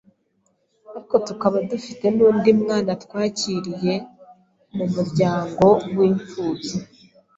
Ariko tukaba dufite n’undi mwana twakiriye mu muryango w’imfubyi,